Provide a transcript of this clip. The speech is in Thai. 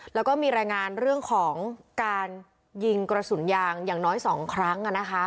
แล้วก็มีรายงานเรื่องของการยิงกระสุนยางอย่างน้อย๒ครั้ง